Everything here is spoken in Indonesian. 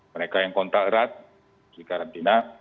mereka yang kontak erat di karantina